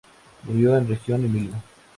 Murió en Reggio Emilia.